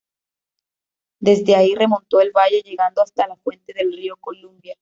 Desde ahí, remontó el valle, llegando hasta la fuente del río Columbia.